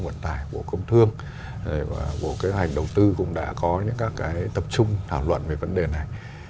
vận tải của công thương và bộ kế hoạch đầu tư cũng đã có tập trung thảo luận về vấn đề này